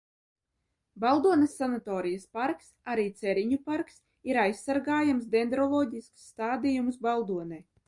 Baldones sanatorijas parks, arī Ceriņu parks, ir aizsargājams dendroloģisks stādījums Baldonē.